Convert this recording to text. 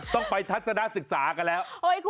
ต้องไปทัศนศึกษากันแล้ว